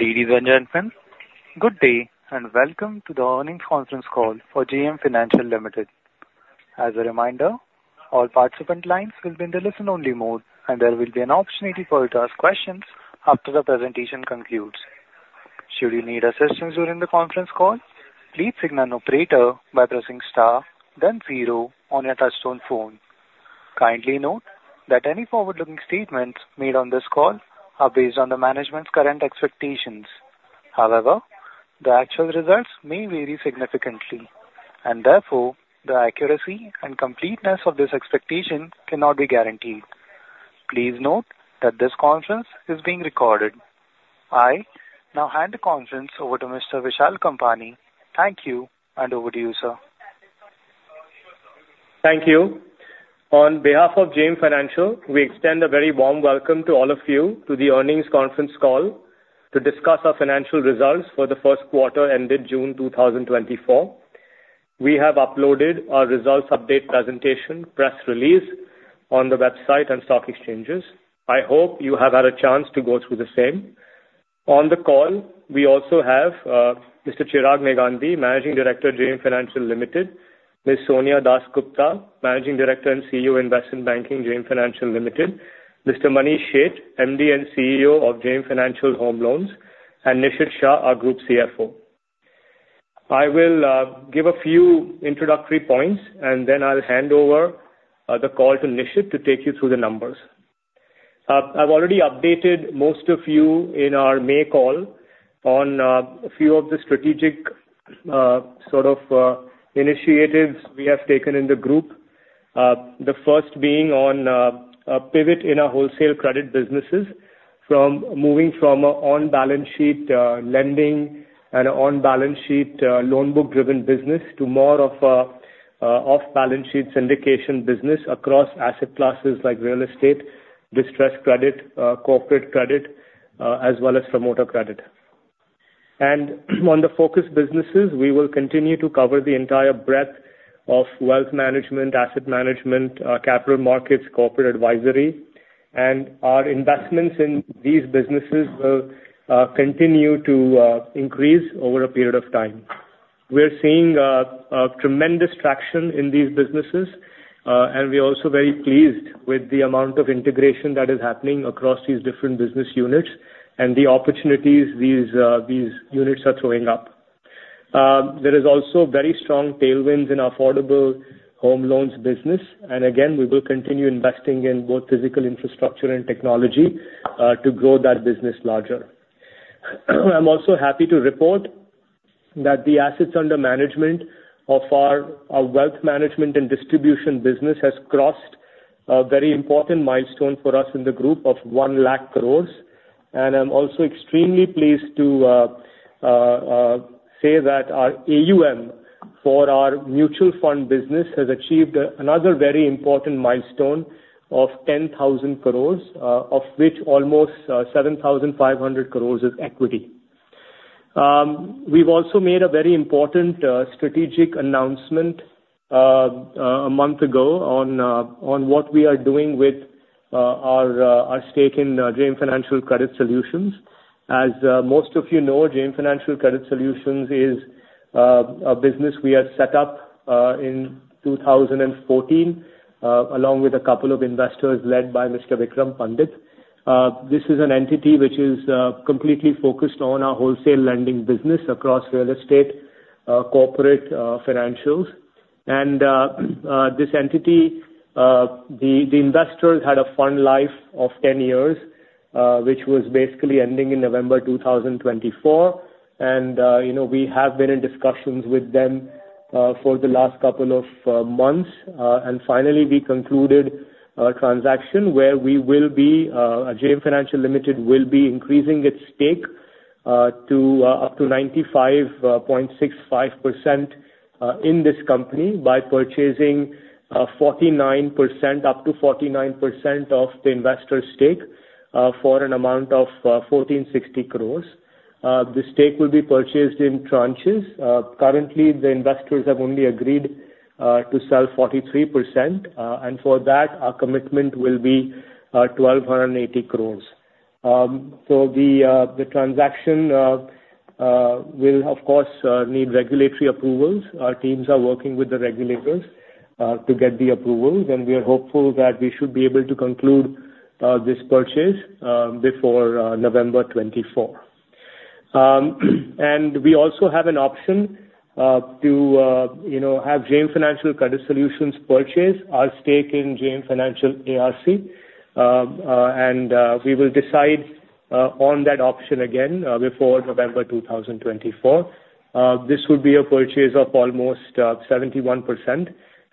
Ladies and gentlemen, good day, and welcome to the earnings conference call for JM Financial Limited. As a reminder, all participant lines will be in the listen-only mode, and there will be an opportunity for you to ask questions after the presentation concludes. Should you need assistance during the conference call, please signal an operator by pressing star then zero on your touchtone phone. Kindly note that any forward-looking statements made on this call are based on the management's current expectations. However, the actual results may vary significantly, and therefore, the accuracy and completeness of this expectation cannot be guaranteed. Please note that this conference is being recorded. I now hand the conference over to Mr. Vishal Kampani. Thank you, and over to you, sir. Thank you. On behalf of JM Financial, we extend a very warm welcome to all of you to the earnings conference call to discuss our financial results for the first quarter ended June 2024. We have uploaded our results update presentation, press release on the website and stock exchanges. I hope you have had a chance to go through the same. On the call, we also have Mr. Chirag Negandhi, Managing Director, JM Financial Limited; Ms. Sonia Dasgupta, Managing Director and CEO, Investment Banking, JM Financial Limited; Mr. Manish Sheth, MD and CEO of JM Financial Home Loans; and Nishit Shah, our Group CFO. I will give a few introductory points, and then I'll hand over the call to Nishit to take you through the numbers. I've already updated most of you in our May call on a few of the strategic sort of initiatives we have taken in the group. The first being on a pivot in our wholesale credit businesses, from moving from an on-balance sheet lending and an on-balance sheet loan book-driven business to more of an off-balance sheet syndication business across asset classes like real estate, distressed credit, corporate credit, as well as promoter credit. And on the focus businesses, we will continue to cover the entire breadth of wealth management, asset management, capital markets, corporate advisory, and our investments in these businesses will continue to increase over a period of time. We're seeing a tremendous traction in these businesses, and we're also very pleased with the amount of integration that is happening across these different business units and the opportunities these units are throwing up. There is also very strong tailwinds in affordable home loans business, and again, we will continue investing in both physical infrastructure and technology to grow that business larger. I'm also happy to report that the assets under management of our wealth management and distribution business has crossed a very important milestone for us in the group of 1 lakh crore. And I'm also extremely pleased to say that our AUM for our mutual fund business has achieved another very important milestone of 10,000 crore, of which almost 7,500 crore is equity. We've also made a very important strategic announcement a month ago on what we are doing with our stake in JM Financial Credit Solutions. As most of you know, JM Financial Credit Solutions is a business we had set up in 2014 along with a couple of investors led by Mr. Vikram Pandit. This is an entity which is completely focused on our wholesale lending business across real estate, corporate, financials. And this entity, the investors had a fund life of 10 years, which was basically ending in November 2024, and you know, we have been in discussions with them for the last couple of months. And finally, we concluded a transaction where we will be, JM Financial Limited will be increasing its stake, to, up to 95.65%, in this company by purchasing, 49%, up to 49% of the investors' stake, for an amount of, 1,460 crores. The stake will be purchased in tranches. Currently, the investors have only agreed, to sell 43%, and for that, our commitment will be, 1,280 crores. So the, the transaction, will of course, need regulatory approvals. Our teams are working with the regulators, to get the approvals, and we are hopeful that we should be able to conclude, this purchase, before, November 2024. We also have an option, you know, to have JM Financial Credit Solutions purchase our stake in JM Financial ARC. We will decide on that option again before November two thousand twenty-four. This would be a purchase of almost 71%,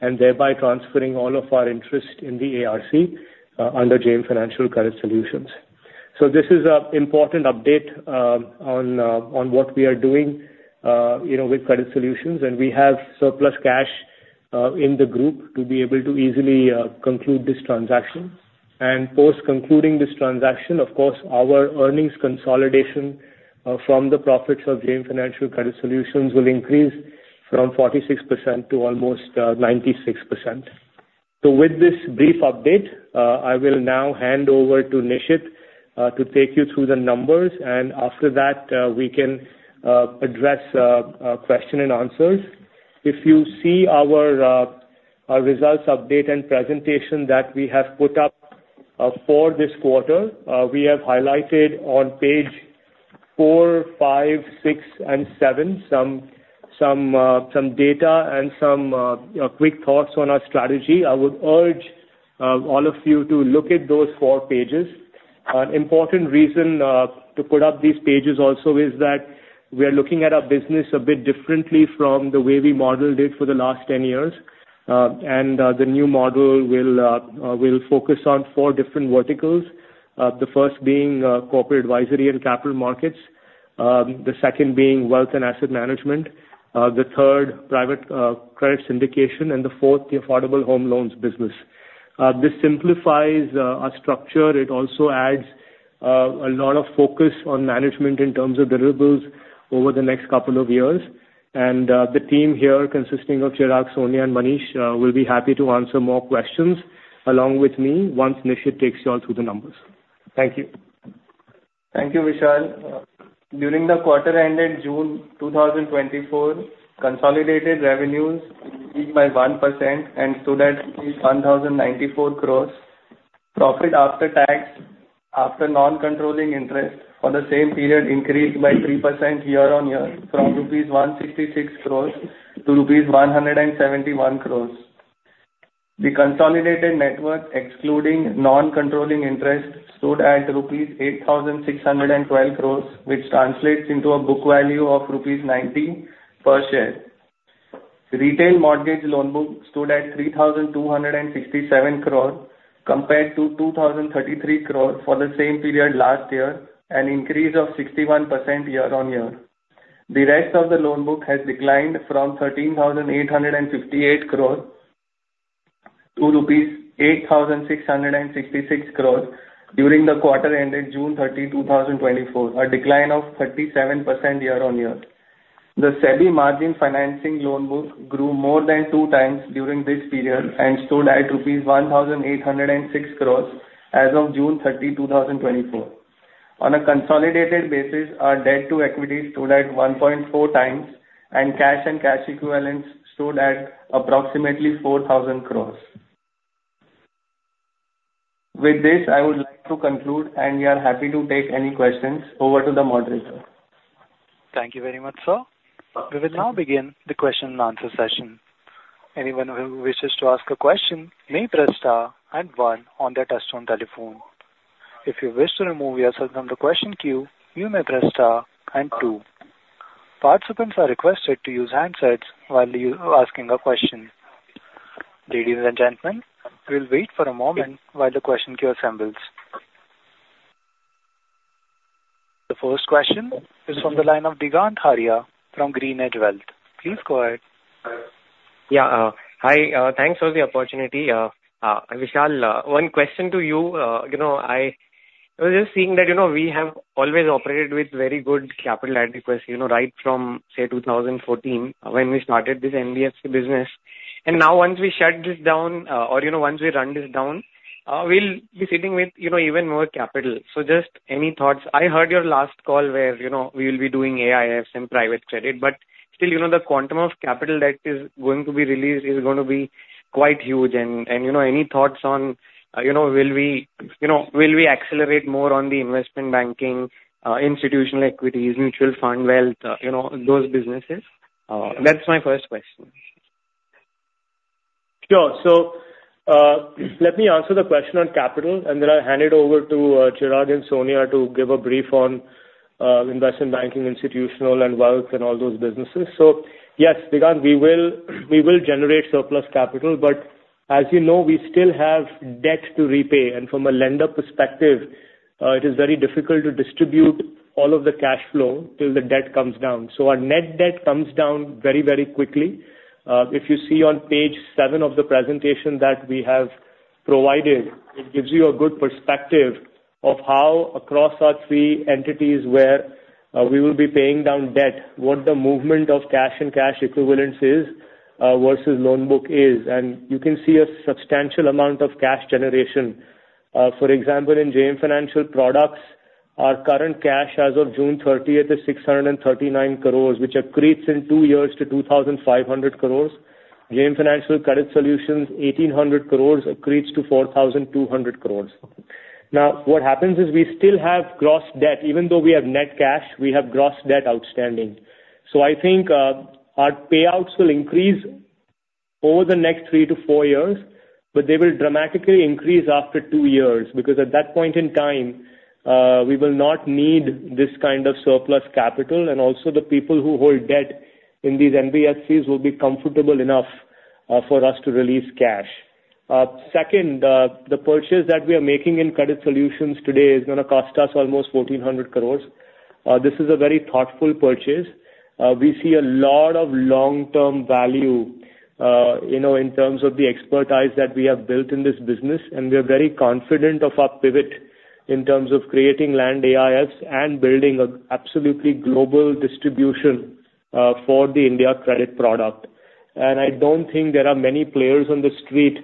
and thereby transferring all of our interest in the ARC under JM Financial Credit Solutions. So this is an important update on what we are doing, you know, with Credit Solutions, and we have surplus cash in the group to be able to easily conclude this transaction. Post concluding this transaction, of course, our earnings consolidation from the profits of JM Financial Credit Solutions will increase from 46% to almost 96%. So with this brief update, I will now hand over to Nishit to take you through the numbers, and after that, we can address Q&A. If you see our results, update and presentation that we have put up for this quarter, we have highlighted on page four, five, six, and seven, some data and some quick thoughts on our strategy. I would urge all of you to look at those four pages. Important reason to put up these pages also is that we are looking at our business a bit differently from the way we modeled it for the last 10 years. The new model will focus on four different verticals. The first being corporate advisory and capital markets, the second being wealth and asset management, the third, private credit syndication, and the fourth, the affordable home loans business. This simplifies our structure. It also adds a lot of focus on management in terms of deliverables over the next couple of years. The team here, consisting of Chirag, Sonia, and Manish, will be happy to answer more questions along with me once Nishit takes you all through the numbers. Thank you. Thank you, Vishal. During the quarter ended June 2024, consolidated revenues increased by 1% and stood at 1,094 crore. Profit after tax, after non-controlling interest for the same period increased by 3% year-on-year from rupees 166 crore to rupees 171 crore. The consolidated network, excluding non-controlling interest, stood at rupees 8,612 crore, which translates into a book value of rupees 90 per share. Retail mortgage loan book stood at 3,267 crore, compared to 2,033 crore for the same period last year, an increase of 61% year-on-year. The rest of the loan book has declined from 13,858 crore to rupees 8,666 crore during the quarter ended June 30, 2024, a decline of 37% year-on-year. The SEBI margin financing loan book grew more than 2 times during this period and stood at rupees 1,806 crore as of June 30, 2024. On a consolidated basis, our debt-to-equity stood at 1.4 times, and cash and cash equivalents stood at approximately 4,000 crore. With this, I would like to conclude, and we are happy to take any questions. Over to the moderator. Thank you very much, sir. We will now begin the Q&A session. Anyone who wishes to ask a question may press star and one on their touchtone telephone. If you wish to remove yourself from the question queue, you may press star and two. Participants are requested to use handsets while you are asking a question. Ladies and gentlemen, we'll wait for a moment while the question queue assembles. The first question is from the line of Digant Haria from GreenEdge Wealth. Please go ahead. Yeah, hi. Thanks for the opportunity. Vishal, one question to you. You know, I was just seeing that, you know, we have always operated with very good capital adequacy, you know, right from, say, 2014, when we started this NBFC business. And now once we shut this down, or, you know, once we run this down, we'll be sitting with, you know, even more capital. So just any thoughts? I heard your last call where, you know, we will be doing AIFs and private credit, but still, you know, the quantum of capital that is going to be released is going to be quite huge. And, you know, any thoughts on, you know, will we, you know, will we accelerate more on the investment banking, institutional equities, mutual fund, wealth, you know, those businesses? That's my first question. Sure. So, let me answer the question on capital, and then I'll hand it over to Chirag and Sonia to give a brief on investment banking, institutional and wealth and all those businesses. So yes, Digant, we will generate surplus capital, but as you know, we still have debt to repay. And from a lender perspective, it is very difficult to distribute all of the cash flow till the debt comes down. So our net debt comes down very, very quickly. If you see on page seven of the presentation that we have provided, it gives you a good perspective of how across our three entities where we will be paying down debt, what the movement of cash and cash equivalents is versus loan book is, and you can see a substantial amount of cash generation. For example, in JM Financial Products, our current cash as of June thirtieth is 639 crore, which accretes in two years to 2,500 crore. JM Financial Credit Solutions, 1,800 crore accretes to 4,200 crore. Now, what happens is we still have gross debt. Even though we have net cash, we have gross debt outstanding. So I think, our payouts will increase over the next three to four years, but they will dramatically increase after two years, because at that point in time, we will not need this kind of surplus capital. And also, the people who hold debt in these NBFCs will be comfortable enough for us to release cash. Second, the purchase that we are making in credit solutions today is gonna cost us almost 1,400 crore. This is a very thoughtful purchase. We see a lot of long-term value, you know, in terms of the expertise that we have built in this business, and we are very confident of our pivot in terms of creating land AIFs and building an absolutely global distribution for the India credit product. I don't think there are many players on the street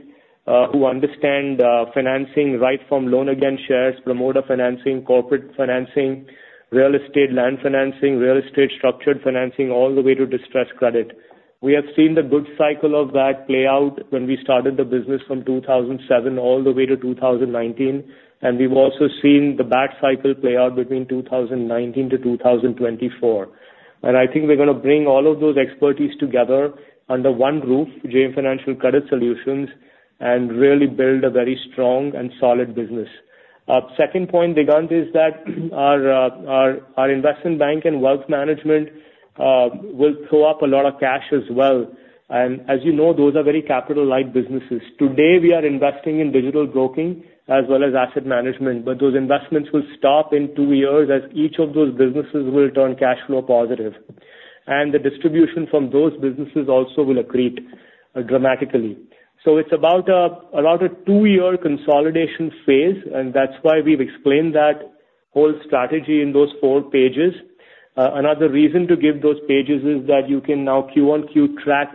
who understand financing right from loan against shares, promoter financing, corporate financing, real estate, land financing, real estate structured financing, all the way to distressed credit. We have seen the good cycle of that play out when we started the business from 2007 all the way to 2019, and we've also seen the bad cycle play out between 2019 to 2024. And I think we're gonna bring all of those expertise together under one roof, JM Financial Credit Solutions, and really build a very strong and solid business. Second point, Digant, is that our investment bank and wealth management will throw up a lot of cash as well. And as you know, those are very capital-light businesses. Today, we are investing in digital broking as well as asset management, but those investments will stop in two years as each of those businesses will turn cash flow positive, and the distribution from those businesses also will accrete dramatically. So it's about a two-year consolidation phase, and that's why we've explained that whole strategy in those four pages. Another reason to give those pages is that you can now Q-on-Q track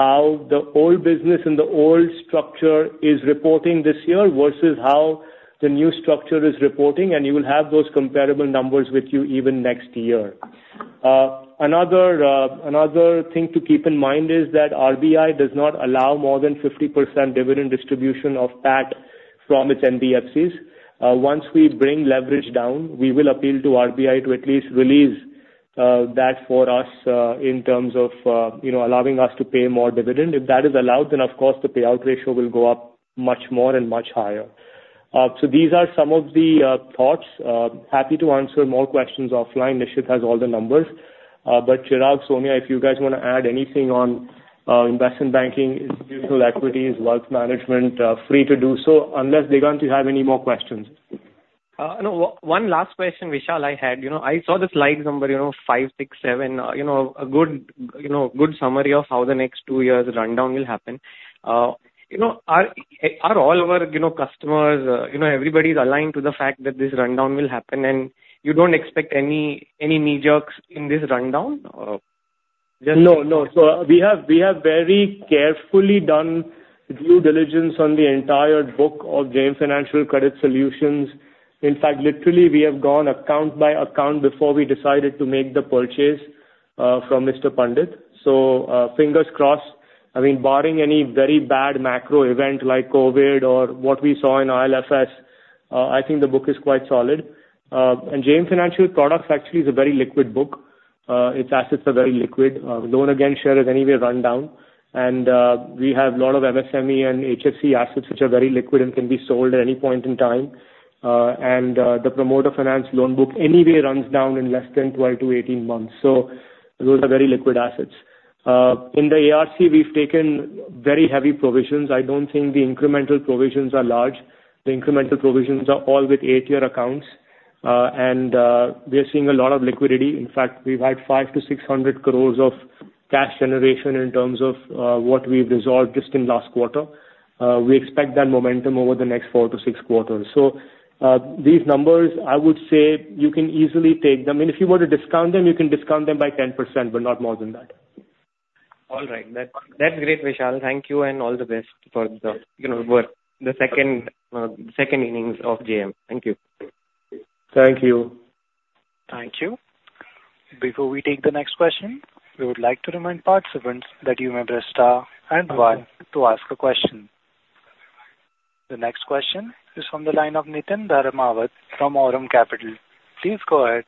how the old business and the old structure is reporting this year versus how the new structure is reporting, and you will have those comparable numbers with you even next year. Another thing to keep in mind is that RBI does not allow more than 50% dividend distribution of PAT from its NBFCs. Once we bring leverage down, we will appeal to RBI to at least release that for us, in terms of, you know, allowing us to pay more dividend. If that is allowed, then of course, the payout ratio will go up much more and much higher. So these are some of the thoughts. Happy to answer more questions offline. Nishit has all the numbers. But Chirag, Sonia, if you guys wanna add anything on investment banking, institutional equities, wealth management, free to do so, unless, Digant, you have any more questions. No. One last question, Vishal, I had. You know, I saw the slide number, you know, five, six, seven. You know, a good, you know, good summary of how the next two years rundown will happen. You know, are all our, you know, customers, you know, everybody's aligned to the fact that this rundown will happen and you don't expect any knee jerks in this rundown? No, no. So we have, we have very carefully done due diligence on the entire book of JM Financial Credit Solutions. In fact, literally, we have gone account by account before we decided to make the purchase from Mr. Pandit. So, fingers crossed, I mean, barring any very bad macro event like COVID or what we saw in IL&FS, I think the book is quite solid. And JM Financial Products actually is a very liquid book. Its assets are very liquid. Loan against share is anyway run down. And we have a lot of MSME and HFC assets which are very liquid and can be sold at any point in time. And the promoter finance loan book anyway runs down in less than 12-18 months. So those are very liquid assets. In the ARC, we've taken very heavy provisions. I don't think the incremental provisions are large. The incremental provisions are all with A-tier accounts. And we are seeing a lot of liquidity. In fact, we've had 500-600 crore of cash generation in terms of what we've resolved just in last quarter. We expect that momentum over the next four to six quarters. So, these numbers, I would say you can easily take them, and if you were to discount them, you can discount them by 10%, but not more than that. All right. That's great, Vishal. Thank you, and all the best for the, you know, work, the second innings of JM. Thank you. Thank you. Thank you. Before we take the next question, we would like to remind participants that you may press star and one to ask a question. The next question is from the line of Niteen Dharmawat from Aurum Capital. Please go ahead.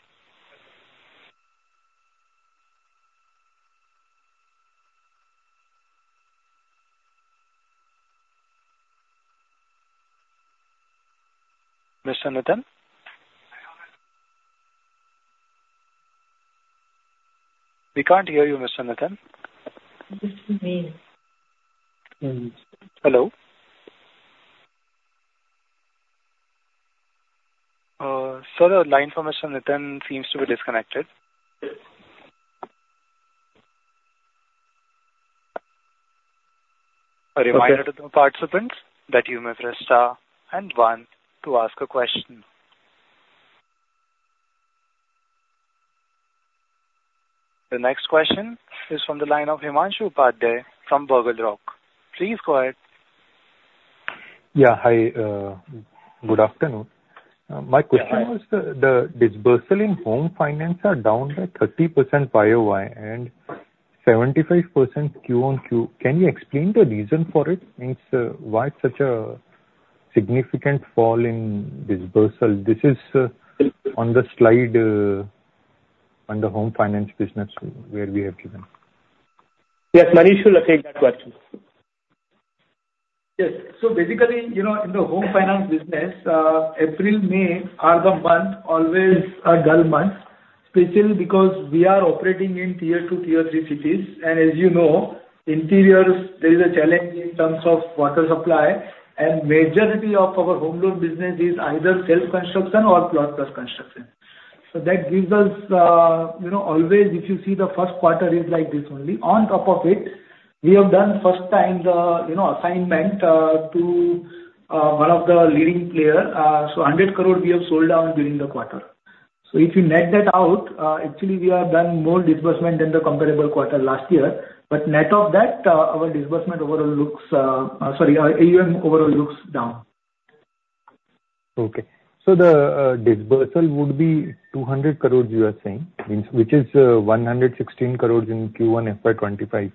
Mr. Nitin? We can't hear you, Mr. Niteen. Hello? Sir, the line from Mr. Niteen seems to be disconnected. Okay. A reminder to the participants that you may press star and one to ask a question. The next question is from the line of Himanshu Upadhyay from BugleRock. Please go ahead. Yeah, hi. Good afternoon. My question- Hi. Was the disbursal in home finance are down by 30% YoY and 75% QOQ. Can you explain the reason for it, and why such a significant fall in disbursal? This is on the slide on the home finance business where we have given. Yes, Manish will take that question. Yes. So basically, you know, in the home finance business, April, May are the month, always a dull month, especially because we are operating in tier two, tier three cities, and as you know, in tier areas, there is a challenge in terms of water supply, and majority of our home loan business is either self-construction or plot plus construction. So that gives us, you know, always if you see the first quarter is like this only. On top of it, we have done first time the, you know, assignment to one of the leading player. So 100 crore we have sold down during the quarter. So if you net that out, actually we have done more disbursement than the comparable quarter last year, but net of that, our disbursement overall looks, sorry, our AUM overall looks down. Okay. So the disbursement would be 200 crore, you are saying, means which is 116 crore in Q1 FY25,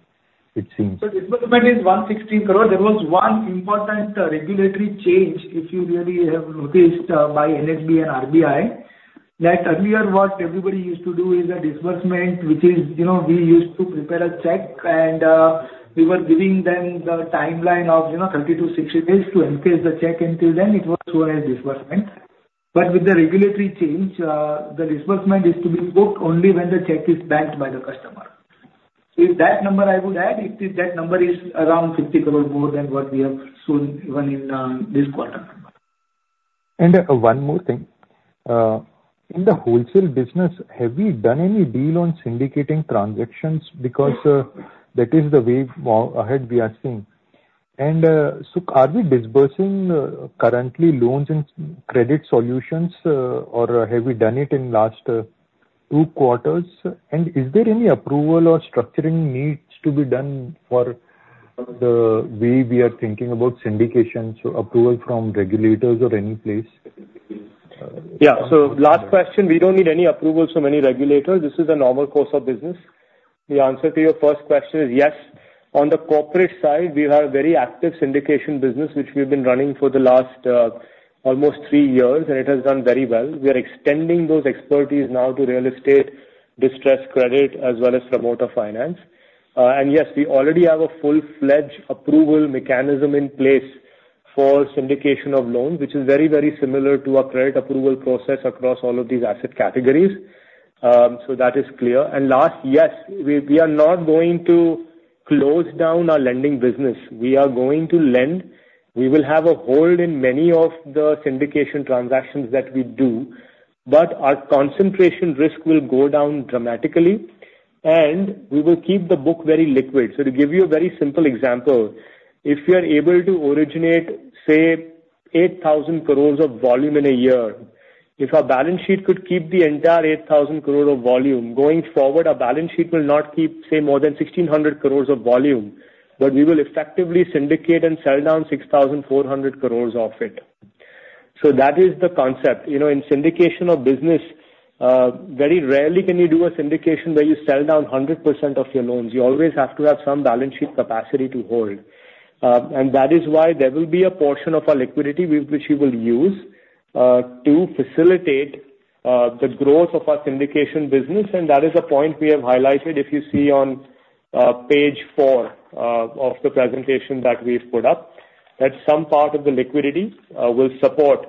it seems. So disbursement is 116 crore. There was one important regulatory change, if you really have noticed, by NHB and RBI, that earlier what everybody used to do is a disbursement, which is, you know, we used to prepare a check and we were giving them the timeline of, you know, 30-60 days to encase the check. Until then, it was shown as disbursement. But with the regulatory change, the disbursement is to be booked only when the check is banked by the customer. So if that number I would add, if that number is around 50 crore more than what we have shown even in this quarter. One more thing. In the wholesale business, have we done any deal on syndicating transactions? Because that is the way more ahead we are seeing. So are we disbursing currently loans and credit solutions or have we done it in last two quarters? Is there any approval or structuring needs to be done for the way we are thinking about syndications or approval from regulators or any place? Yeah. So last question, we don't need any approvals from any regulators. This is a normal course of business. The answer to your first question is yes. On the corporate side, we have a very active syndication business, which we've been running for the last almost 3 years, and it has done very well. We are extending those expertise now to real estate, distressed credit, as well as promoter finance. And yes, we already have a full-fledged approval mechanism in place for syndication of loans, which is very, very similar to our credit approval process across all of these asset categories. So that is clear. And last, yes, we are not going to close down our lending business. We are going to lend. We will have a hold in many of the syndication transactions that we do, but our concentration risk will go down dramatically, and we will keep the book very liquid. So to give you a very simple example, if you are able to originate, say, 8,000 crore of volume in a year, if our balance sheet could keep the entire 8,000 crore of volume, going forward, our balance sheet will not keep, say, more than 1,600 crore of volume, but we will effectively syndicate and sell down 6,400 crore of it. So that is the concept. You know, in syndication of business, very rarely can you do a syndication where you sell down 100% of your loans. You always have to have some balance sheet capacity to hold. That is why there will be a portion of our liquidity which we will use to facilitate the growth of our syndication business, and that is a point we have highlighted if you see on page 4 of the presentation that we've put up, that some part of the liquidity will support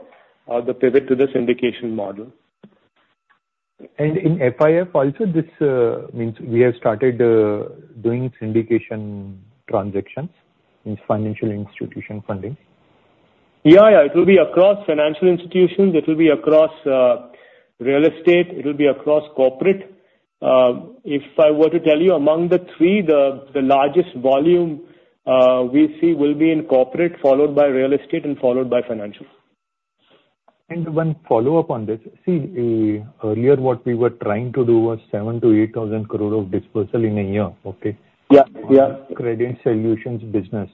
the pivot to the syndication model. In FIF also, this means we have started doing syndication transactions in financial institution funding? Yeah, yeah. It will be across financial institutions. It will be across real estate. It will be across corporate. If I were to tell you, among the three, the largest volume we see will be in corporate, followed by real estate and followed by financial. One follow-up on this. See, earlier what we were trying to do was 7,000-8,000 crore of dispersal in a year, okay? Yeah. Yeah. Credit solutions business.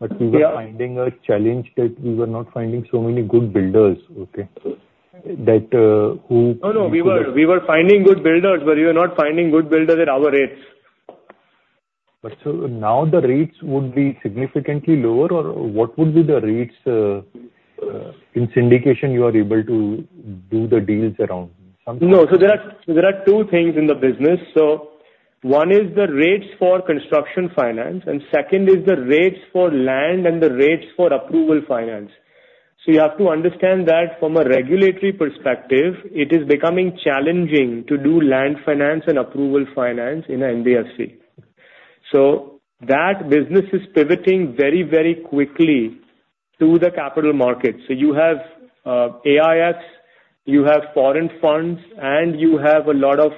Yeah. But we were finding a challenge that we were not finding so many good builders, okay? That, who- No, no. We were finding good builders, but we were not finding good builders at our rates. But so now the rates would be significantly lower, or what would be the rates in syndication you are able to do the deals around? Some- No. So there are, there are two things in the business. So one is the rates for construction finance, and second is the rates for land and the rates for approval finance. So you have to understand that from a regulatory perspective, it is becoming challenging to do land finance and approval finance in a NBFC. So that business is pivoting very, very quickly to the capital markets. So you have, AIFs, you have foreign funds, and you have a lot of,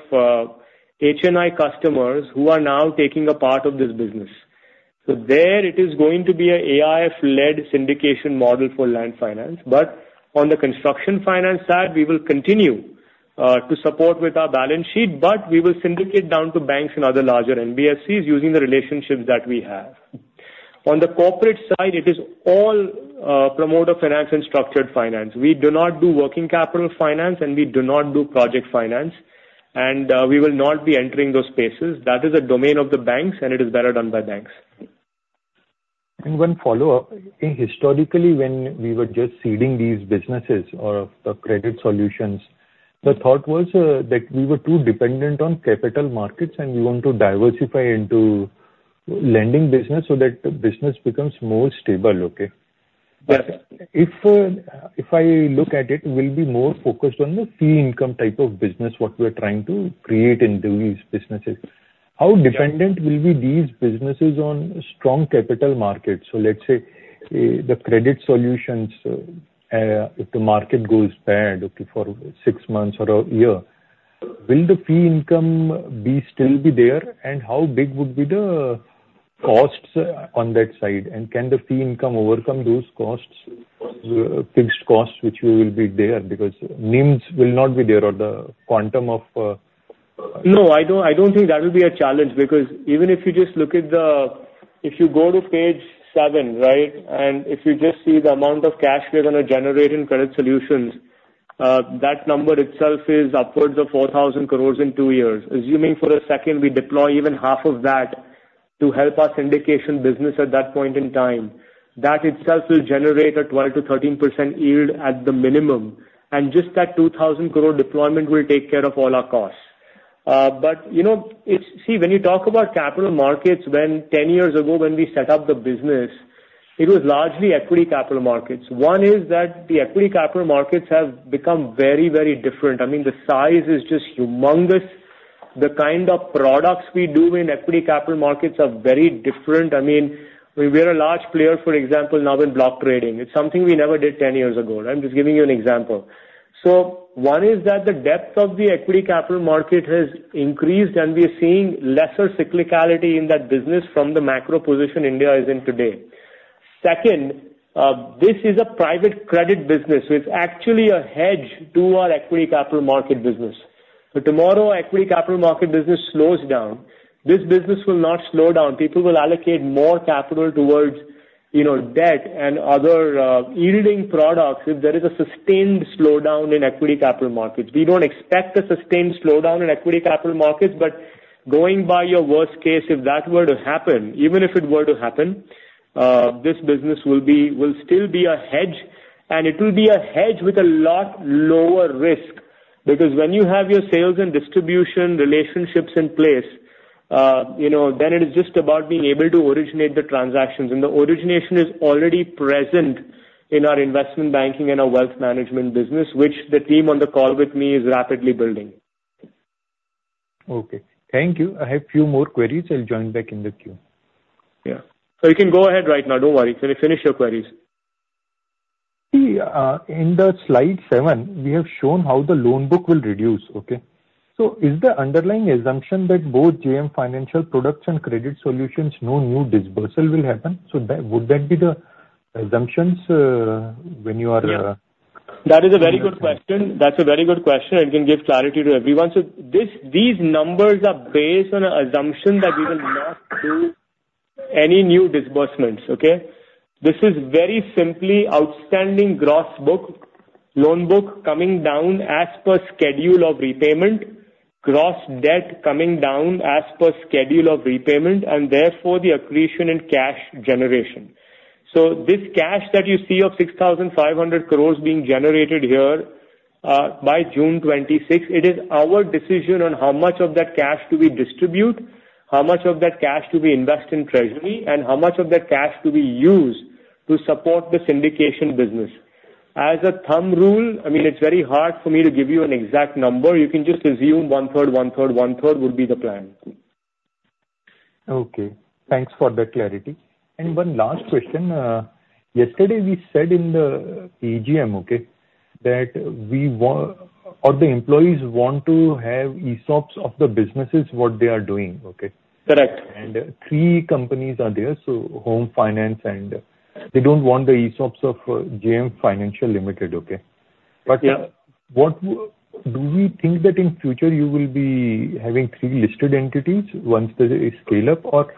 HNI customers who are now taking a part of this business. So there it is going to be an AIF-led syndication model for land finance. But on the construction finance side, we will continue to support with our balance sheet, but we will syndicate down to banks and other larger NBFCs using the relationships that we have. On the corporate side, it is all, promoter finance and structured finance. We do not do working capital finance, and we do not do project finance, and, we will not be entering those spaces. That is a domain of the banks, and it is better done by banks. One follow-up. Historically, when we were just seeding these businesses or the credit solutions, the thought was that we were too dependent on capital markets and we want to diversify into lending business so that the business becomes more stable, okay? Yes. But if I look at it, we'll be more focused on the fee income type of business, what we are trying to create in these businesses. How dependent will be these businesses on strong capital markets? So let's say, the credit solutions, if the market goes bad, okay, for six months or a year, will the fee income still be there? And how big would be the costs on that side? And can the fee income overcome those costs, fixed costs, which will be there? Because NIMs will not be there or the quantum of, No, I don't, I don't think that will be a challenge, because even if you just look at the. If you go to page seven, right? And if you just see the amount of cash we are gonna generate in credit solutions, that number itself is upwards of 4,000 crore in two years. Assuming for a second we deploy even half of that to help our syndication business at that point in time, that itself will generate a 12%-13% yield at the minimum, and just that 2,000 crore deployment will take care of all our costs. But, you know, it's - see, when you talk about capital markets, when 10 years ago, when we set up the business, it was largely equity capital markets. One is that the equity capital markets have become very, very different. I mean, the size is just humongous. The kind of products we do in equity capital markets are very different. I mean, we're a large player, for example, now in block trading. It's something we never did 10 years ago. I'm just giving you an example. So one is that the depth of the equity capital market has increased, and we are seeing lesser cyclicality in that business from the macro position India is in today. Second, this is a private credit business, so it's actually a hedge to our equity capital market business. So tomorrow, equity capital market business slows down, this business will not slow down. People will allocate more capital towards, you know, debt and other, yielding products if there is a sustained slowdown in equity capital markets. We don't expect a sustained slowdown in equity capital markets, but going by your worst case, if that were to happen, even if it were to happen, this business will be, will still be a hedge. It will be a hedge with a lot lower risk. Because when you have your sales and distribution relationships in place, you know, then it is just about being able to originate the transactions. The origination is already present in our investment banking and our wealth management business, which the team on the call with me is rapidly building. Okay, thank you. I have a few more queries. I'll join back in the queue. Yeah. So you can go ahead right now, don't worry. Finish your queries. See, in the slide seven, we have shown how the loan book will reduce, okay? So is the underlying assumption that both JM Financial Products and Credit Solutions, no new disbursal will happen? So that, would that be the assumptions, when you are- Yeah. That is a very good question. That's a very good question, and can give clarity to everyone. So this, these numbers are based on an assumption that we will not do any new disbursements, okay? This is very simply outstanding gross book, loan book, coming down as per schedule of repayment, gross debt coming down as per schedule of repayment, and therefore the accretion in cash generation. So this cash that you see of 6,500 crore being generated here, by June 2026, it is our decision on how much of that cash do we distribute, how much of that cash do we invest in treasury, and how much of that cash do we use to support the syndication business. As a thumb rule, I mean, it's very hard for me to give you an exact number. You can just assume 1/3, 1/3, 1/3 would be the plan. Okay. Thanks for the clarity. One last question. Yesterday we said in the AGM, okay, that we or the employees want to have ESOPs of the businesses, what they are doing, okay? Correct. Three companies are there, so home finance and, they don't want the ESOPs of, JM Financial Limited, okay? Yeah. But what do we think that in future you will be having three listed entities once there is scale-up? Or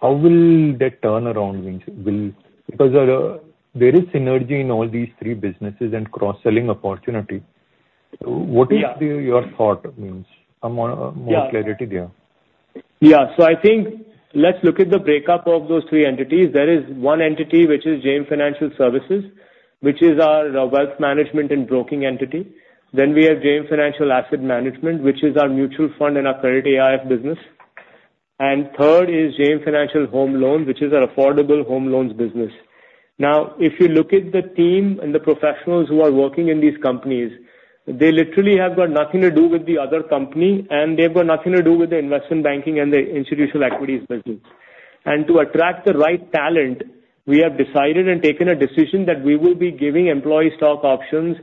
how will that turn around? Means, will. Because there, there is synergy in all these three businesses and cross-selling opportunity. Yeah. What is your thought? Means, some more clarity there. Yeah. Yeah, so I think let's look at the breakup of those three entities. There is one entity which is JM Financial Services, which is our wealth management and broking entity. Then we have JM Financial Asset Management, which is our mutual fund and our credit AIF business. And third is JM Financial Home Loan, which is our affordable home loans business. Now, if you look at the team and the professionals who are working in these companies, they literally have got nothing to do with the other company, and they've got nothing to do with the investment banking and the institutional equities business. And to attract the right talent, we have decided and taken a decision that we will be giving employee stock options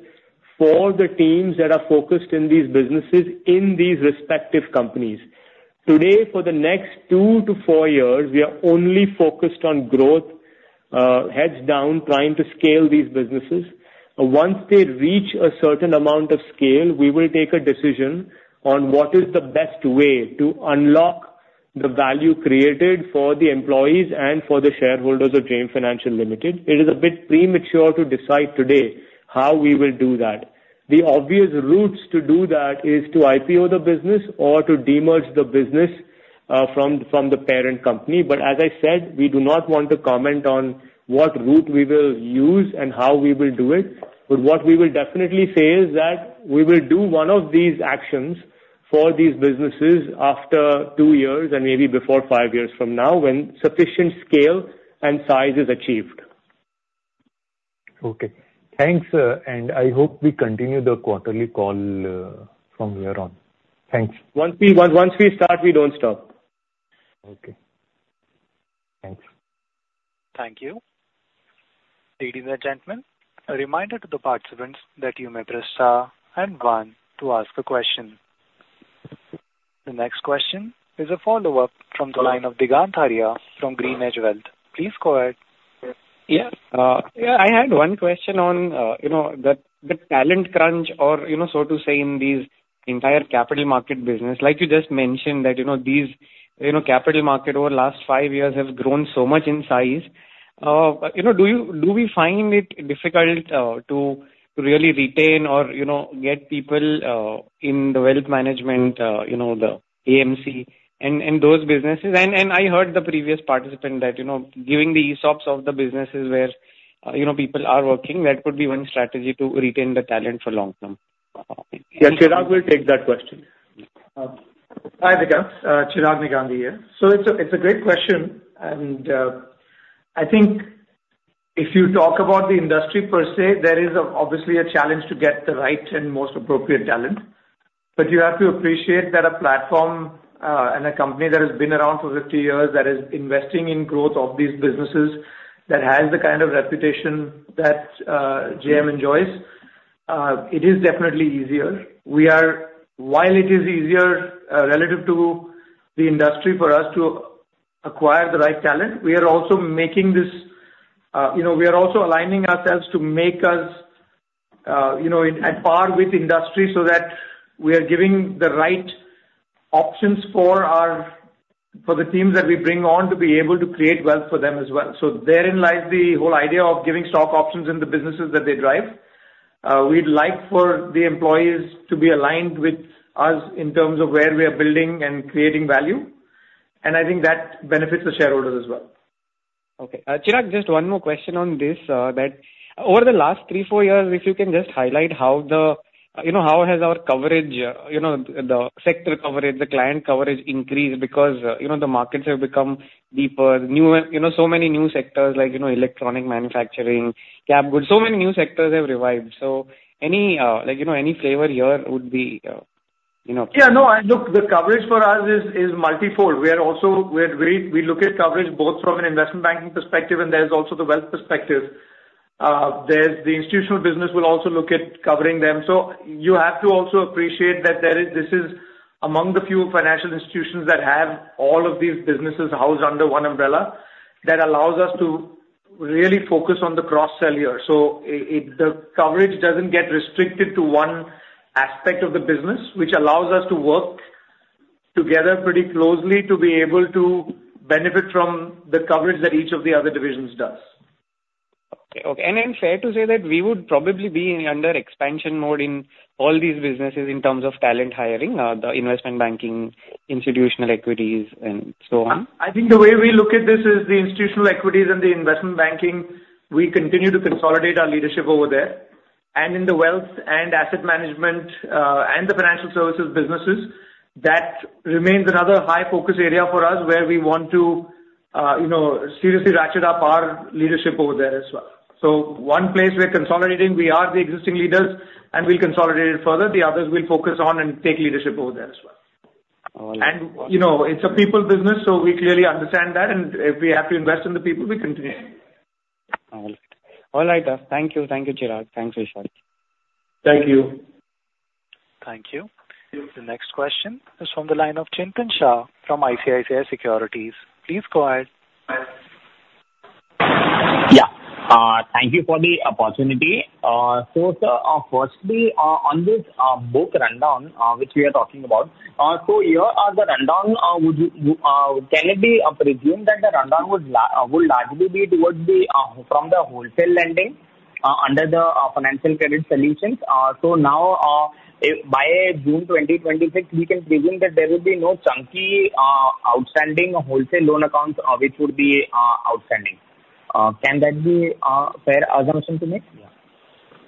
for the teams that are focused in these businesses, in these respective companies. Today, for the next two to four years, we are only focused on growth, heads down, trying to scale these businesses. Once they reach a certain amount of scale, we will take a decision on what is the best way to unlock the value created for the employees and for the shareholders of JM Financial Limited. It is a bit premature to decide today how we will do that. The obvious routes to do that is to IPO the business or to demerge the business, from the parent company. But as I said, we do not want to comment on what route we will use and how we will do it. But what we will definitely say is that we will do one of these actions for these businesses after two years and maybe before five years from now, when sufficient scale and size is achieved. Okay. Thanks, and I hope we continue the quarterly call, from here on. Thanks. Once we start, we don't stop. Okay. Thanks. Thank you. Ladies and gentlemen, a reminder to the participants that you may press star and one to ask a question. The next question is a follow-up from the line of Digant Haria from GreenEdge Wealth. Please go ahead. Yes, yeah, I had one question on, you know, the, the talent crunch or, you know, so to say, in these entire capital market business. Like you just mentioned that, you know, these, you know, capital market over the last five years have grown so much in size. You know, do you, do we find it difficult, to really retain or, you know, get people, in the wealth management, you know, the AMC and, and those businesses? And, and I heard the previous participant that, you know, giving the ESOPs of the businesses where, you know, people are working, that could be one strategy to retain the talent for long term. Yeah, Chirag will take that question. Hi, Digant. Chirag Negandhi here. So it's a great question, and I think if you talk about the industry per se, there is obviously a challenge to get the right and most appropriate talent. But you have to appreciate that a platform and a company that has been around for 50 years, that is investing in growth of these businesses, that has the kind of reputation that JM enjoys, it is definitely easier. While it is easier relative to the industry for us to acquire the right talent, we are also aligning ourselves to make us, you know, at par with industry, so that we are giving the right options for our teams that we bring on to be able to create wealth for them as well. Therein lies the whole idea of giving stock options in the businesses that they drive. We'd like for the employees to be aligned with us in terms of where we are building and creating value, and I think that benefits the shareholders as well. Okay. Chirag, just one more question on this, that over the last three to four years, if you can just highlight how the, you know, how has our coverage, you know, the sector coverage, the client coverage increased because, you know, the markets have become deeper, newer, you know, so many new sectors like, you know, electronic manufacturing, Cap goods, so many new sectors have revived. So any, like, you know, any flavor here would be, you know- Yeah, no, look, the coverage for us is multifold. We are very, we look at coverage both from an investment banking perspective, and there's also the wealth perspective. There's the institutional business will also look at covering them. So you have to also appreciate that there is, this is among the few financial institutions that have all of these businesses housed under one umbrella, that allows us to really focus on the cross-sell here. So it, the coverage doesn't get restricted to one aspect of the business, which allows us to work together pretty closely to be able to benefit from the coverage that each of the other divisions does. Okay, okay. And fair to say that we would probably be under expansion mode in all these businesses in terms of talent hiring, the investment banking, institutional equities, and so on? I, I think the way we look at this is the institutional equities and the investment banking, we continue to consolidate our leadership over there. And in the wealth and asset management, and the financial services businesses, that remains another high focus area for us, where we want to, you know, seriously ratchet up our leadership over there as well. So one place we're consolidating, we are the existing leaders, and we'll consolidate it further. The others will focus on and take leadership over there as well. All right. You know, it's a people business, so we clearly understand that, and if we have to invest in the people, we continue. All right. All right, thank you. Thank you, Chirag. Thanks, Vishal. Thank you. Thank you. The next question is from the line of Chintan Shah from ICICI Securities. Please go ahead. Yeah. Thank you for the opportunity. So, sir, firstly, on this book rundown which we are talking about, so here are the rundown. Would you, can it be presumed that the rundown would largely be from the wholesale lending under the JM Financial Credit Solutions? So now, if by June 2026, we can presume that there will be no chunky outstanding wholesale loan accounts which would be outstanding. Can that be a fair assumption to make?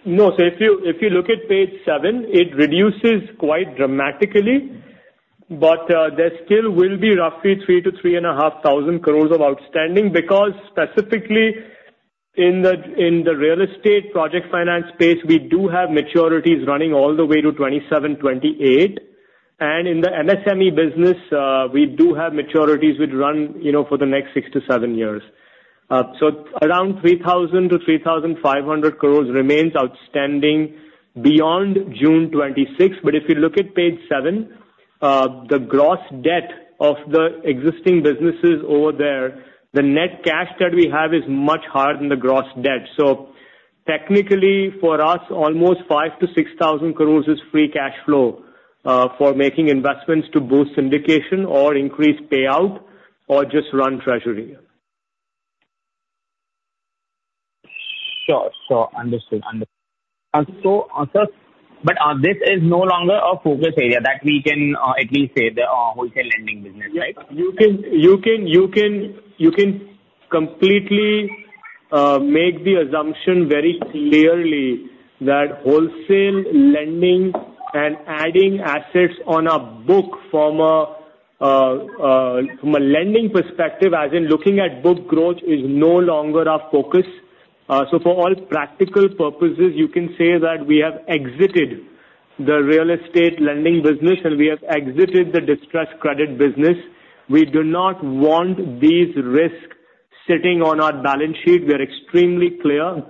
No. So if you look at page seven, it reduces quite dramatically, but there still will be roughly 3,000-3,500 crore of outstanding, because specifically in the real estate project finance space, we do have maturities running all the way to 2027, 2028. And in the MSME business, we do have maturities which run, you know, for the next six to seven years. So around 3,000-3,500 crore remains outstanding beyond June 2026. But if you look at page seven, the gross debt of the existing businesses over there, the net cash that we have is much higher than the gross debt. So technically, for us, almost 5,000-6,000 crore is free cash flow for making investments to boost syndication or increase payout, or just run treasury. Sure, sure. Understood, understood. And so, sir, but, this is no longer a focus area that we can, at least say the, wholesale lending business, right? You clearly make the assumption very clearly that wholesale lending and adding assets on a book from a lending perspective, as in looking at book growth is no longer our focus. So for all practical purposes, you can say that we have exited the real estate lending business, and we have exited the distressed credit business. We do not want these risks sitting on our balance sheet. We are extremely clear.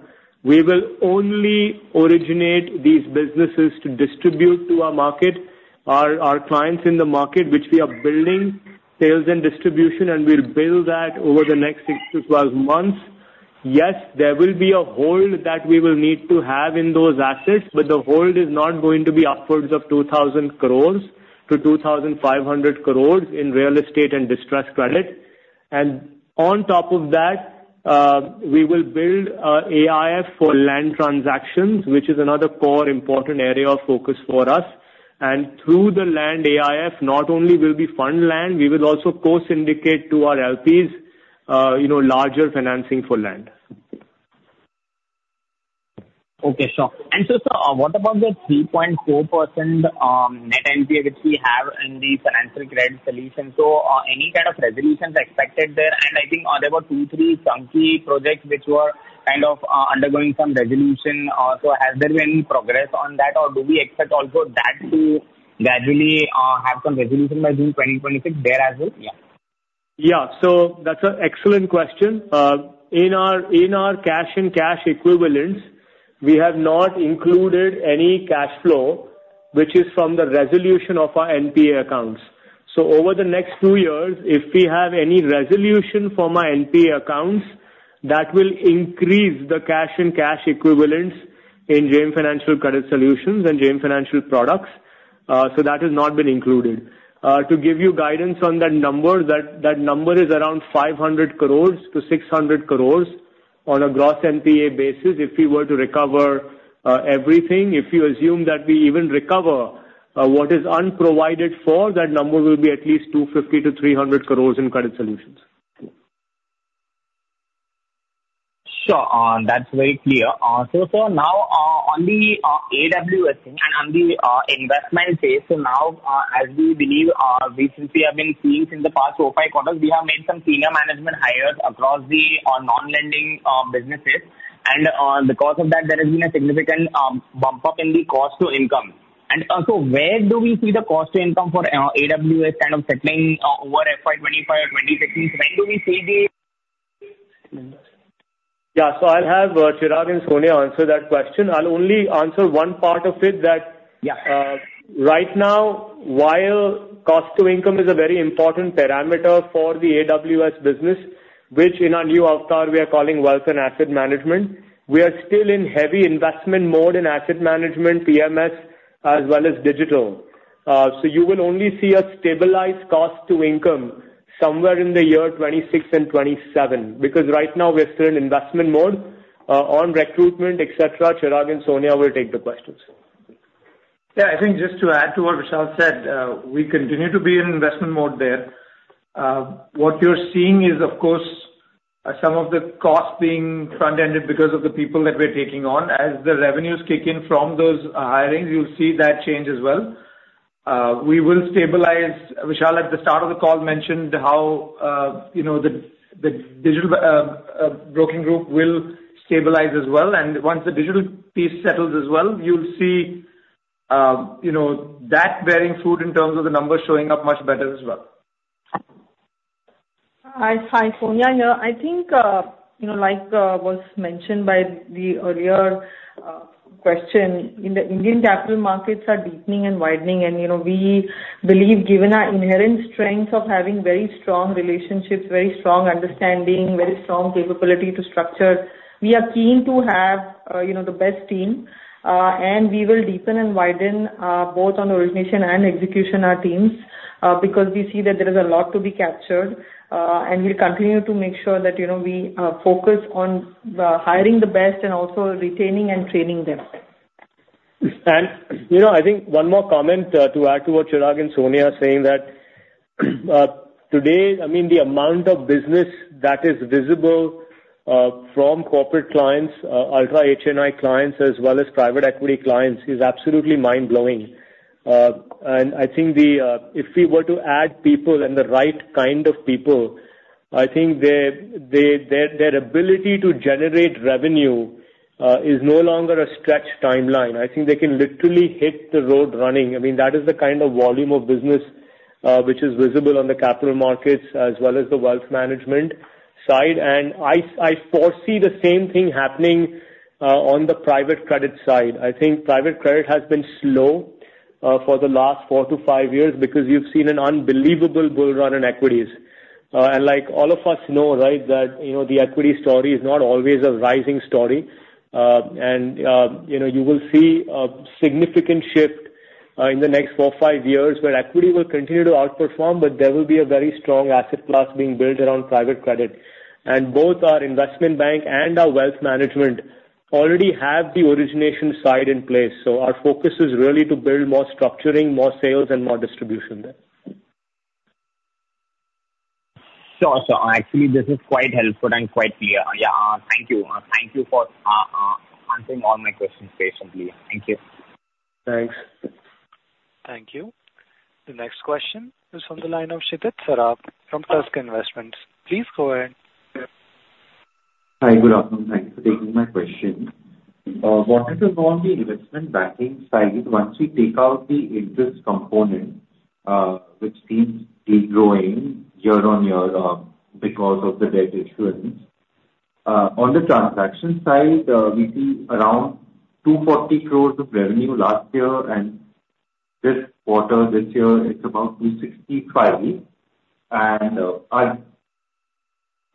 We will only originate these businesses to distribute to our market, our, our clients in the market, which we are building sales and distribution, and we'll build that over the next 6 to 12 months. Yes, there will be a hold that we will need to have in those assets, but the hold is not going to be upwards of 2,000-2,500 crore in real estate and distressed credit. And on top of that, we will build AIF for land transactions, which is another core important area of focus for us. And through the land AIF, not only will we fund land, we will also co-syndicate to our LPs, you know, larger financing for land. Okay, sure. So, sir, what about the 3.4% Net NPA which we have in the Financial Credit Solutions? So, any kind of resolutions expected there? And I think, there were two, three chunky projects which were kind of undergoing some resolution. So has there been any progress on that, or do we expect also that to gradually have some resolution by June 2026 there as well? Yeah. Yeah. So that's an excellent question. In our, in our cash and cash equivalents, we have not included any cash flow, which is from the resolution of our NPA accounts. So over the next two years, if we have any resolution for my NPA accounts, that will increase the cash and cash equivalents in JM Financial Credit Solutions and JM Financial Products. So that has not been included. To give you guidance on that number, that, that number is around 500-600 crore on a gross NPA basis if we were to recover everything. If you assume that we even recover what is unprovided for, that number will be at least 250-300 crore in credit solutions. Sure, that's very clear. So for now, on the AWS thing and on the investment phase, so now, as we believe, recently have been seeing in the past four to five quarters, we have made some senior management hires across the non-lending businesses. And so because of that, there has been a significant bump up in the cost to income. And so where do we see the cost to income for AWS kind of settling over FY 2025 or 2026? When do we see the- Yeah. I'll have Chirag and Sonia answer that question. I'll only answer one part of it that- Yeah. Right now, while Cost to Income is a very important parameter for the AWS business, which in our new avatar, we are calling Wealth and Asset Management, we are still in heavy investment mode in Asset Management, PMS, as well as digital. You will only see a stabilized Cost to Income somewhere in the year 2026 and 2027, because right now we're still in investment mode, on recruitment, et cetera. Chirag and Sonia will take the questions. Yeah, I think just to add to what Vishal said, we continue to be in investment mode there. What you're seeing is, of course, some of the costs being front-ended because of the people that we're taking on. As the revenues kick in from those hirings, you'll see that change as well. We will stabilize. Vishal, at the start of the call, mentioned how, you know, the digital broking group will stabilize as well. And once the digital piece settles as well, you'll see, you know, that bearing fruit in terms of the numbers showing up much better as well. Hi, hi, Sonia here. I think, you know, like, was mentioned by the earlier question, in the Indian capital markets are deepening and widening, and, you know, we believe, given our inherent strength of having very strong relationships, very strong understanding, very strong capability to structure, we are keen to have, you know, the best team. And we will deepen and widen, both on origination and execution, our teams, because we see that there is a lot to be captured. And we'll continue to make sure that, you know, we focus on hiring the best and also retaining and training them. You know, I think one more comment to add to what Chirag and Sonia are saying that today, I mean, the amount of business that is visible from corporate clients, ultra HNI clients, as well as private equity clients, is absolutely mind-blowing. And I think the if we were to add people and the right kind of people, I think their, their, their, their ability to generate revenue is no longer a stretched timeline. I think they can literally hit the road running. I mean, that is the kind of volume of business which is visible on the capital markets as well as the wealth management side. And I foresee the same thing happening on the private credit side. I think private credit has been slow, for the last four to five years because you've seen an unbelievable bull run in equities. And like all of us know, right, that, you know, the equity story is not always a rising story. And, you know, you will see a significant shift, in the next four to five years, where equity will continue to outperform, but there will be a very strong asset class being built around private credit. And both our investment bank and our wealth management already have the origination side in place, so our focus is really to build more structuring, more sales, and more distribution there. Sure, sure. Actually, this is quite helpful and quite clear. Yeah, thank you. Thank you for answering all my questions patiently. Thank you. Thanks. Thank you. The next question is on the line of Kshitij Saraf from Tusk Investments. Please go ahead. Hi, good afternoon. Thank you for taking my question. What is going on the investment banking side, once we take out the interest component, which seems to be growing year-over-year, because of the debt issuance? On the transaction side, we see around 240 crore of revenue last year, and this quarter, this year, it's about 365 crore, and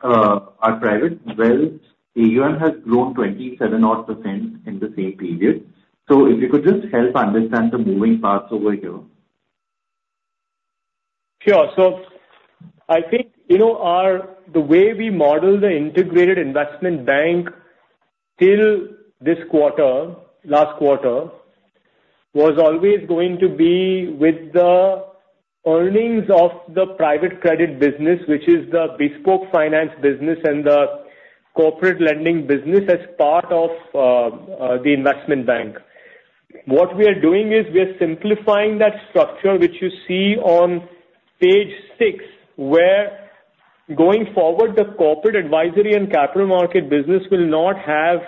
our private wealth AUM has grown 27% odd in the same period. So if you could just help understand the moving parts over here. Sure. So I think, you know, our, the way we model the integrated investment bank till this quarter, last quarter, was always going to be with the earnings of the private credit business, which is the bespoke finance business and the corporate lending business as part of the investment bank. What we are doing is we are simplifying that structure, which you see on page six, where going forward, the corporate advisory and capital market business will not have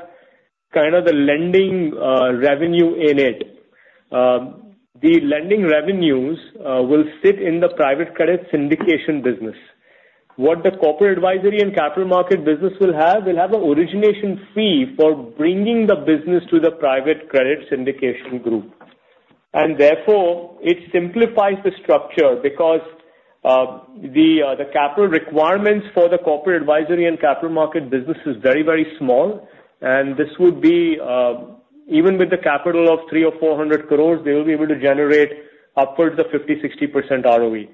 kind of the lending revenue in it. The lending revenues will sit in the private credit syndication business. What the corporate advisory and capital market business will have, will have an origination fee for bringing the business to the private credit syndication group. Therefore, it simplifies the structure because the capital requirements for the corporate advisory and capital market business is very, very small, and this would be even with the capital of 300-400 crore, they will be able to generate upwards of 50%-60% ROE.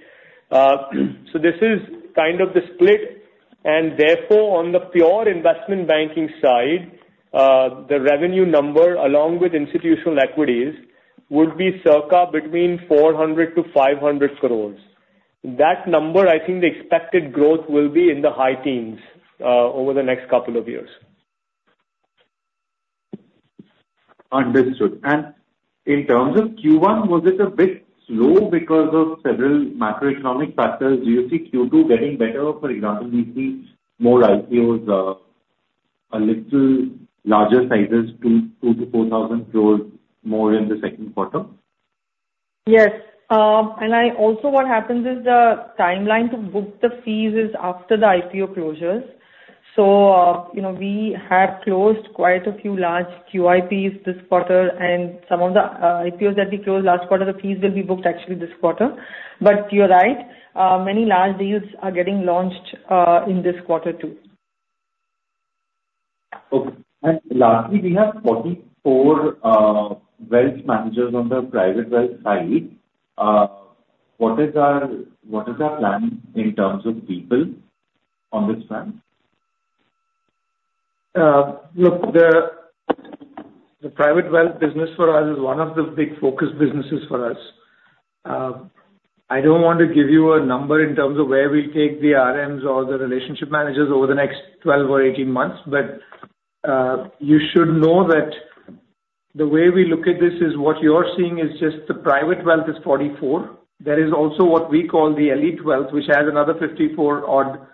So this is kind of the split, and therefore, on the pure investment banking side, the revenue number, along with institutional equities, would be circa between 400-500 crore. That number, I think the expected growth will be in the high teens over the next couple of years. Understood. In terms of Q1, was it a bit slow because of several macroeconomic factors? Do you see Q2 getting better off? For example, do you see more IPOs, a little larger sizes, 2,000-4,000 crore more in the second quarter? Yes. And I also what happens is the timeline to book the fees is after the IPO closures. So, you know, we have closed quite a few large QIPs this quarter, and some of the IPOs that we closed last quarter, the fees will be booked actually this quarter. But you're right. Many large deals are getting launched in this quarter, too. Okay. And lastly, we have 44 wealth managers on the private wealth side. What is our, what is our plan in terms of people on this front? Look, the private wealth business for us is one of the big focus businesses for us. I don't want to give you a number in terms of where we take the RMs or the relationship managers over the next 12 or 18 months, but you should know that the way we look at this is what you're seeing is just the private wealth is 44. There is also what we call the Elite Wealth, which has another 54 odd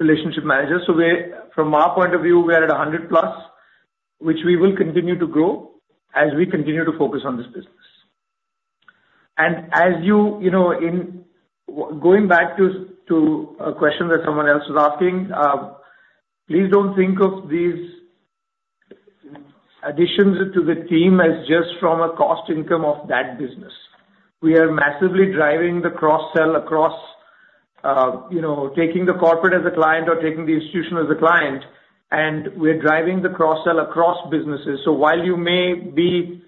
relationship managers. So we're, from our point of view, we're at 100+, which we will continue to grow as we continue to focus on this business. And as you know, in going back to a question that someone else was asking, please don't think of these additions to the team as just from a cost income of that business. We are massively driving the cross-sell across, you know, taking the corporate as a client or taking the institution as a client, and we're driving the cross-sell across businesses. So while you may be.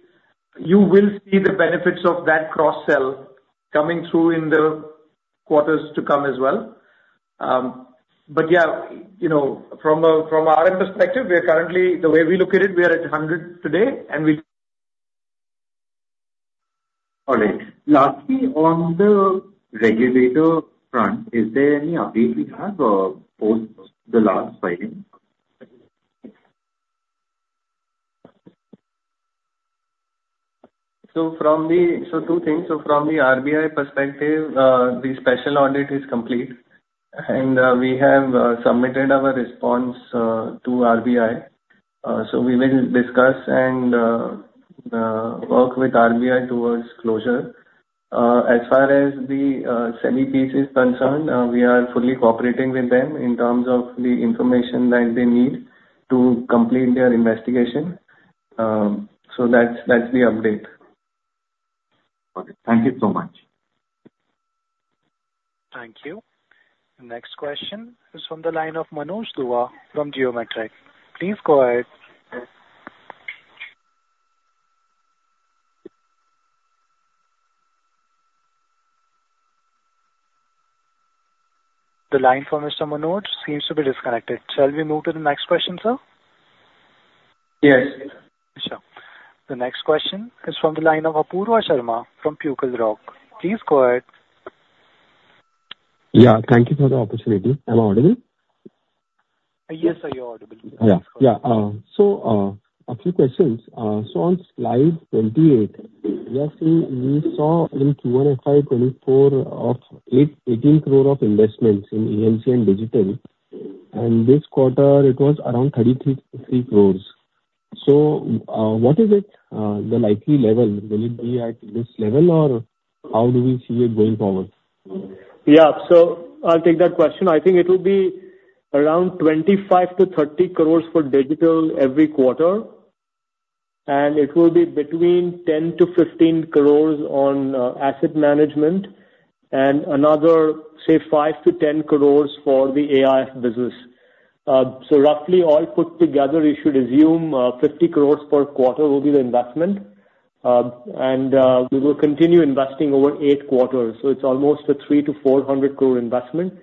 You will see the benefits of that cross-sell coming through in the quarters to come as well. But yeah, you know, from our perspective, we are currently, the way we look at it, we are at 100 today. All right. Lastly, on the regulator front, is there any update we have, post the last filing? Two things. From the RBI perspective, the special audit is complete, and we have submitted our response to RBI. So we will discuss and work with RBI towards closure. As far as the SEBI piece is concerned, we are fully cooperating with them in terms of the information that they need to complete their investigation. So that's the update. Okay. Thank you so much. Thank you. The next question is from the line of Manoj Dua from Geometric. Please go ahead. The line from Mr. Manoj seems to be disconnected. Shall we move to the next question, sir? Yes. Sure. The next question is from the line of Apurva Sharma from BugleRock. Please go ahead. Yeah, thank you for the opportunity. Am I audible? Yes sir, you're audible. Yeah. Yeah, so, a few questions. So on slide 28, last year we saw in Q1 FY 2024 of 8.18 crore of investments in AMC and digital, and this quarter it was around 33.3 crore. So, what is it, the likely level? Will it be at this level, or how do we see it going forward? Yeah. So I'll take that question. I think it will be around 25-30 crores for digital every quarter, and it will be between 10-15 crores on asset management and another, say, 5-10 crores for the AIF business. So roughly, all put together, you should assume 50 crores per quarter will be the investment. And we will continue investing over eight quarters, so it's almost a 300-400 crore investment.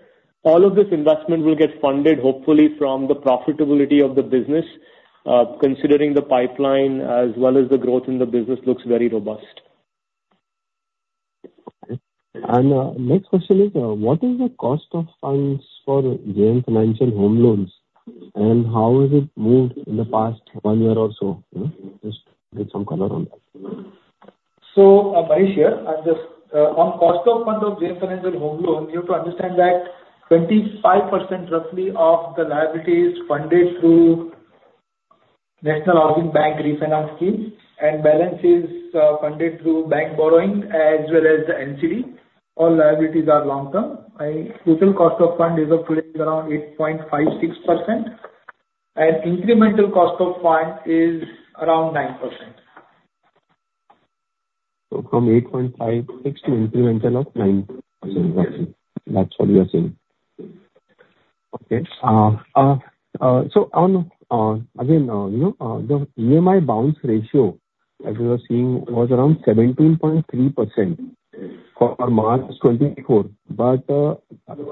All of this investment will get funded, hopefully, from the profitability of the business, considering the pipeline as well as the growth in the business looks very robust. Next question is, what is the cost of funds for JM Financial Home Loans, and how has it moved in the past one year or so? Just get some color on that. Manish here. I'm just on cost of fund of JM Financial Home Loans. You have to understand that 25% roughly of the liability is funded through National Housing Bank Refinance scheme, and balance is funded through bank borrowing as well as the NCD. All liabilities are long-term. Total cost of fund as of today is around 8.56%, and incremental cost of fund is around 9%. So from 8.56 to incremental of 9%. That's what you are saying? Okay. So on, again, you know, the EMI bounce ratio, as you were seeing, was around 17.3% for March 2024, but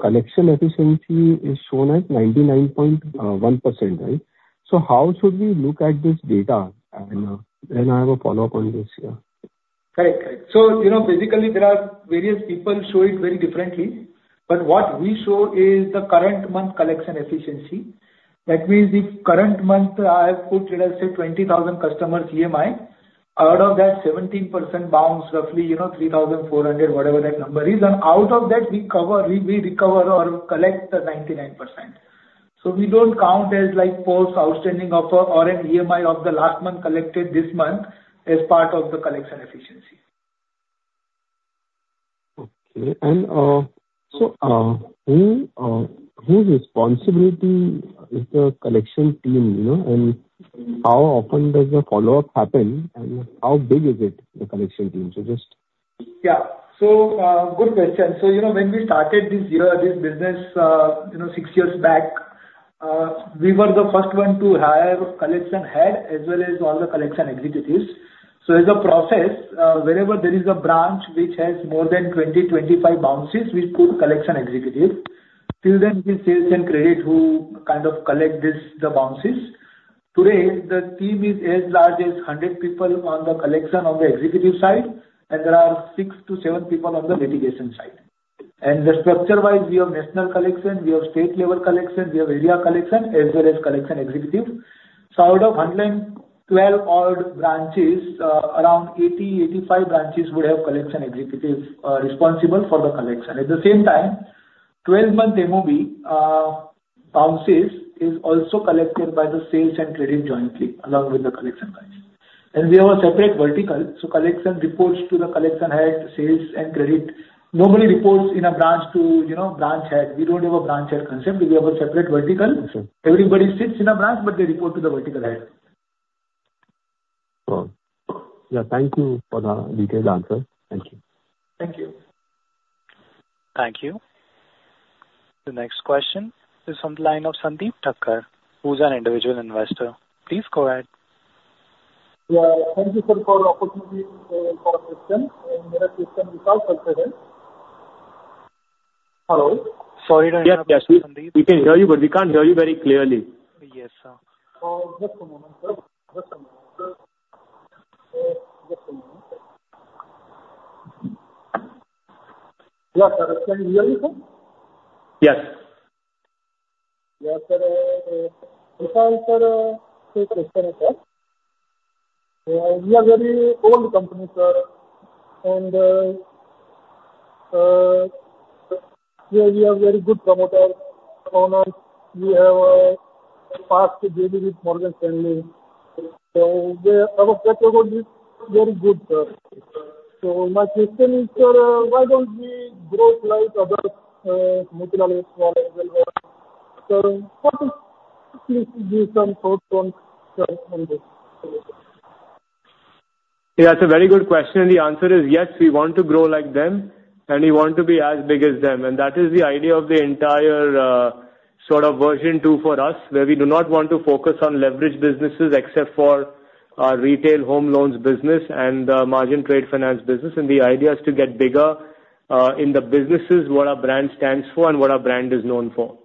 collection efficiency is shown at 99.1%, right? So how should we look at this data? And then I have a follow-up on this, yeah. Right. So, you know, physically, there are various people show it very differently, but what we show is the current month collection efficiency. That means if current month, I have put, let's say, 20,000 customers EMI, out of that 17% bounce, roughly, you know, 3,400, whatever that number is, and out of that, we cover, we recover or collect the 99%. So we don't count as like false outstanding offer or an EMI of the last month collected this month as part of the collection efficiency. Okay. And, so, who, whose responsibility is the collection team, you know? And how often does the follow-up happen, and how big is it, the collection team? So just- Yeah. So, good question. So, you know, when we started this year, this business, you know, six years back, we were the first one to hire collection head as well as all the collection executives. So as a process, wherever there is a branch which has more than 20-25 bounces, we put collection executive. Till then, it was sales and credit who kind of collect this, the bounces. Today, the team is as large as 100 people on the collection on the executive side, and there are six to seven people on the litigation side. And the structure-wise, we have national collection, we have state-level collection, we have area collection as well as collection executive. So out of 112 odd branches, around 80-85 branches would have collection executives, responsible for the collection. At the same time, 12-month MOB, bounces, is also collected by the sales and credit jointly, along with the collection branch. We have a separate vertical, so collection reports to the collection head, sales and credit. Nobody reports in a branch to, you know, branch head. We don't have a branch head concept. We have a separate vertical. Okay. Everybody sits in a branch, but they report to the vertical head. Yeah. Thank you for the detailed answer. Thank you. Thank you. Thank you. The next question is on the line of Sandeep Thakkar, who's an individual investor. Please go ahead. Yeah, thank you, sir, for the opportunity, for question. And my question is also present. Hello? Sorry to interrupt, Sandeep. We can hear you, but we can't hear you very clearly. Yes, sir. Just a moment, sir. Just a moment, sir. Just a moment. Yeah, sir. Can you hear me, sir? Yes. Yeah, sir, the answer to your question is, we are very old company, sir, and we have very good promoter owners. We have past history with Morgan Stanley. So our category is very good, sir. So my question is, sir, why don't we grow like other mutual funds? Sir, could you please give some thoughts on this? Yeah, it's a very good question, and the answer is yes, we want to grow like them, and we want to be as big as them. And that is the idea of the entire, sort of version two for us, where we do not want to focus on leverage businesses except for our retail home loans business and, margin trade finance business. And the idea is to get bigger, in the businesses, what our brand stands for and what our brand is known for.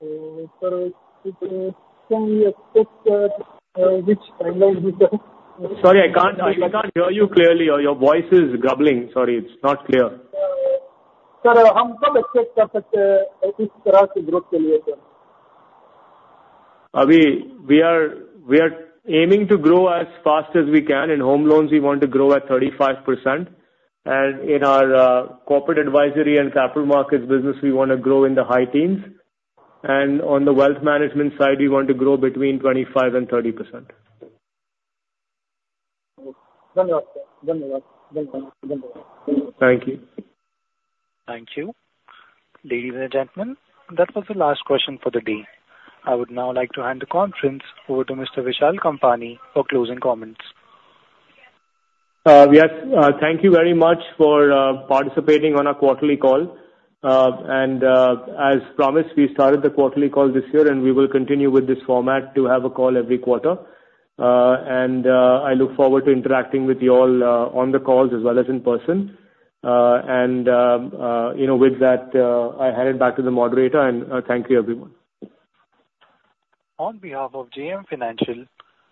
Sir, can we expect which timeline is the- Sorry, I can't, I can't hear you clearly. Your voice is garbling. Sorry, it's not clear. Sir. We are aiming to grow as fast as we can. In home loans, we want to grow at 35%, and in our corporate advisory and capital markets business, we want to grow in the high teens. On the wealth management side, we want to grow between 25% and 30%. Okay. Thank you, sir. Thank you very much. Thank you. Thank you. Thank you. Ladies and gentlemen, that was the last question for the day. I would now like to hand the conference over to Mr. Vishal Kampani for closing comments. Yes, thank you very much for participating on our quarterly call. And, as promised, we started the quarterly call this year, and we will continue with this format to have a call every quarter. And, I look forward to interacting with you all, on the calls as well as in person. And, you know, with that, I hand it back to the moderator, and thank you, everyone. On behalf of JM Financial,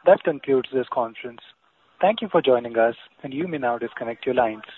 that concludes this conference. Thank you for joining us, and you may now disconnect your lines.